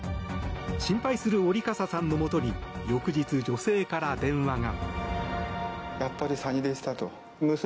心配する折笠さんのもとに翌日、女性から電話が。